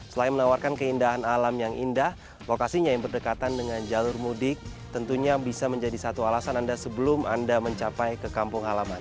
selain menawarkan keindahan alam yang indah lokasinya yang berdekatan dengan jalur mudik tentunya bisa menjadi satu alasan anda sebelum anda mencapai ke kampung halaman